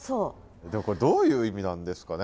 でもこれどういう意味なんですかね。